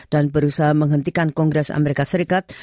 dan berusaha menghentikan kongres amerika serikat